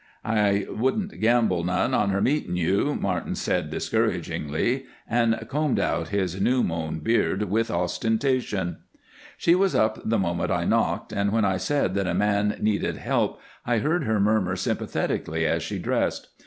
"I wouldn't gamble none on her meetin' you," Martin said, discouragingly, and combed out his new mown beard with ostentation. She was up the moment I knocked, and when I said that a man needed help I heard her murmur sympathetically as she dressed.